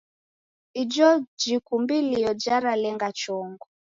Igho jikumbilo jaralenga chongo.